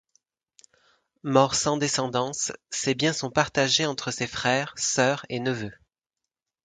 Mort sans descendance, ses biens sont partagés entre ses frères, sœurs et neveux.